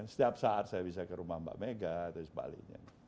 setiap saat saya bisa ke rumah mbak mega dan sebaliknya